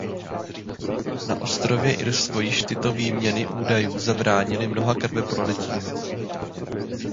Na ostrově Irsko již tyto výměny údajů zabránily mnoha krveprolitím.